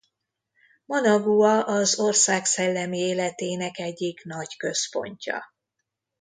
Managua az ország szellemi életének egyik nagy központja.